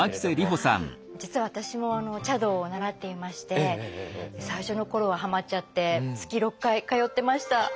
実は私も茶道を習っていまして最初の頃はハマっちゃって月６回通ってました。